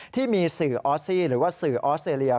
ที่มีสื่อออสซี่หรือว่าสื่อออสเตรเลีย